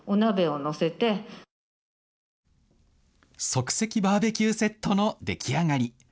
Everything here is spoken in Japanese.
即席バーベキューセットの出来上がり。